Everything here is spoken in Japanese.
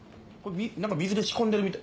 何か水で仕込んでるみたい。